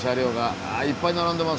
あいっぱい並んでますね。